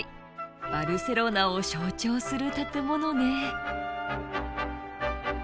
バルセロナを象徴する建物ね。